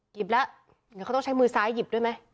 หยิบแล้วเดี๋ยวเขาต้องใช้มือซ้ายหยิบด้วยไหม